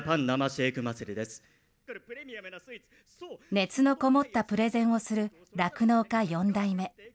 熱のこもったプレゼンをする酪農家４代目。